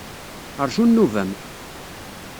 Rju nnuba-m.